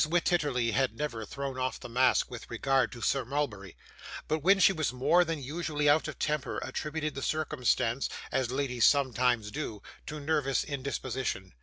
Wititterly had never thrown off the mask with regard to Sir Mulberry, but when she was more than usually out of temper, attributed the circumstance, as ladies sometimes do, to nervous indisposition.